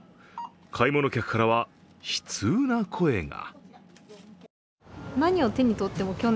買い物客からは悲痛な声が。